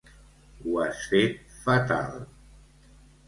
Ho has fet fatal.